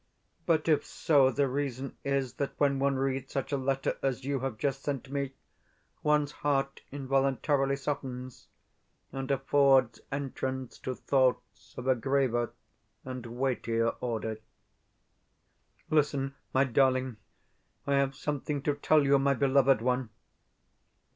But if so, the reason is that when one reads such a letter as you have just sent me, one's heart involuntarily softens, and affords entrance to thoughts of a graver and weightier order. Listen, my darling; I have something to tell you, my beloved one.